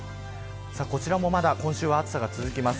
こちらもまだ今週は暑さが続きます。